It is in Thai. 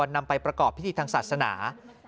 นำไปประกอบพิธีทางศาสนา